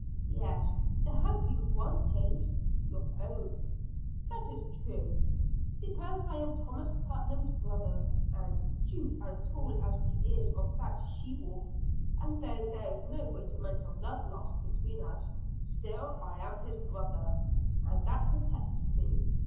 "Yes, there has been one case your own." "That is true because I am Thomas Putnam's brother. And, dupe and tool as he is of that she wolf, and though there is no great amount of love lost between us still I am his brother! And that protects me.